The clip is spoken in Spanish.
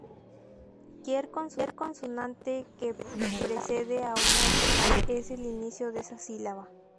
Cualquier consonante que precede a una vocal es el inicio de esa sílaba.